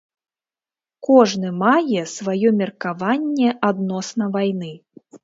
Кожны мае сваё меркаванне адносна вайны.